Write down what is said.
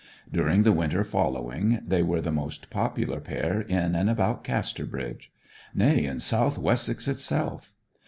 During the winter following they were the most popular pair in and about Casterbridge nay in South Wessex itself.